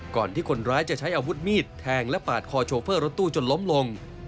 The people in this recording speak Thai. ก่อนที่คนร้ายจะใช้อาวุธมีดแทงและปาดคอโชเฟอร์รถตู้จนล้มลง